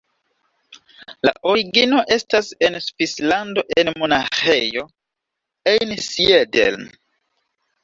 La origino estas en Svislando, en Monaĥejo Einsiedeln.